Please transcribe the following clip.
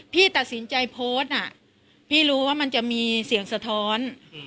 พี่ตัดสินใจโพสต์น่ะพี่รู้ว่ามันจะมีเสียงสะท้อน